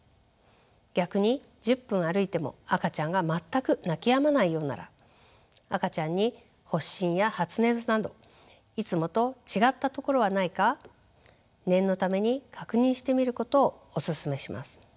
逆に１０分歩いても赤ちゃんが全く泣きやまないようなら赤ちゃんに発疹や発熱などいつもと違ったところはないか念のために確認してみることをおすすめします。